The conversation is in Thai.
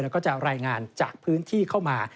แล้วก็จะรายงานจากพื้นที่เข้ามา